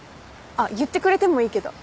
あっ言ってくれてもいいけど。